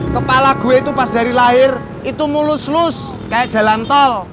kepala gue itu pas dari lahir itu mulus lulus kayak jalan tol